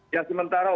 ya sementara untuk